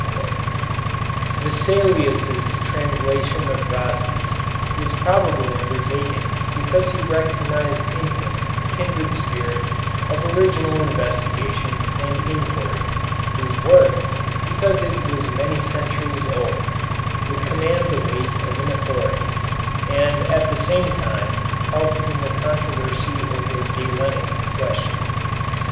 Vesalius' translation of Rhazes was probably undertaken because he recognized in him a kindred spirit of original investigation and inquiry, whose work, because it was many centuries old, would command the weight of an authority and at the same time help in the controversy over Galenic questions.